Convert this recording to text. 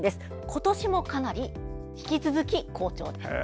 今年も、かなり引き続き好調です。